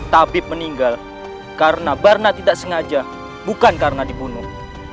tabib meninggal karena barna tidak sengaja bukan karena dibunuh